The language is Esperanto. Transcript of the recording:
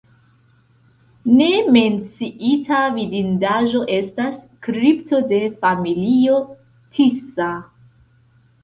Ne menciita vidindaĵo estas kripto de familio Tisza.